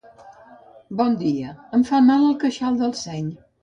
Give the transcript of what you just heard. Bon dia, em fa mal el queixal del seny.